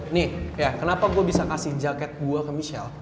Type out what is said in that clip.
nih ya kenapa gue bisa kasih jaket buah ke michelle